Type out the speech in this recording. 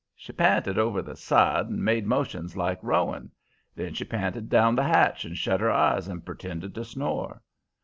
She p'inted over the side and made motions like rowing. Then she p'inted down the hatch and shut her eyes and purtended to snore.